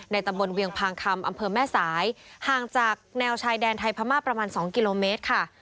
ตำบลเวียงพางคำอำเภอแม่สายห่างจากแนวชายแดนไทยพม่าประมาณ๒กิโลเมตรค่ะ